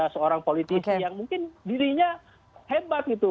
yang mungkin dirinya hebat